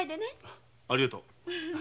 ありがとう。